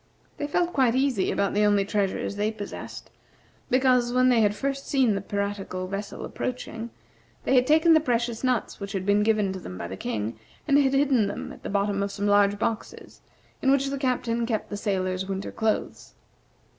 They felt quite easy about the only treasures they possessed, because, when they had first seen the piratical vessel approaching, they had taken the precious nuts which had been given to them by the King, and had hidden them at the bottom of some large boxes, in which the Captain kept the sailors' winter clothes.